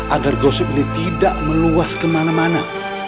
agar gosip ini tidak meluas kemana mana